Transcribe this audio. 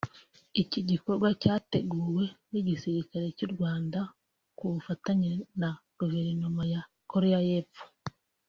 Iki gikorwa cyateguwe n’igisirikare cy’u Rwanda ku bufatanye na Guverinoma ya Koreya y’Epfo